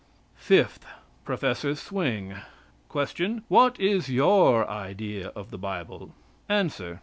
FIFTH, PROF. SWING. Question. What is your idea of the Bible? Answer.